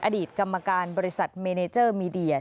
อดีตกรรมการบริษัทเมเนเจอร์มีเดีย